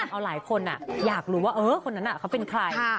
เอาหลายคนอ่ะอยากรู้ว่าเออคนนั้นอ่ะเขาเป็นใคร